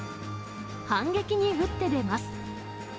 反撃に打って出ます。